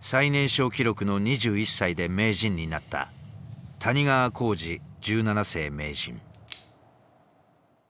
最年少記録の２１歳で名人になった谷川浩司十七世名人。